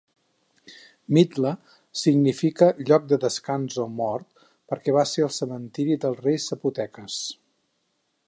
Mitla significa lloc de descans o mort perquè va ser el cementeri dels reis zapoteques.